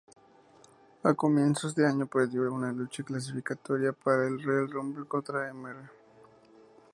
A comienzos de año perdió una lucha clasificatoria para el Royal Rumble contra Mr.